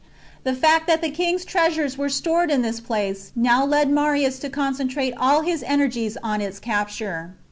The fact that the king's treasures were stored in this place now led Marius to concentrate all his energies on its capture.